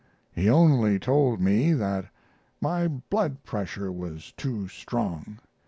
He only told me that my blood pressure was too strong.